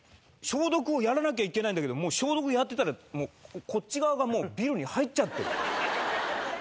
消毒をやらなきゃいけないけど消毒やってたらこっち側がもうビルに入っちゃってる。